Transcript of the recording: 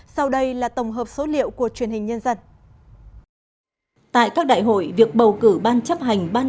sau đây là tổng hợp số liệu của truyền hình nhân dân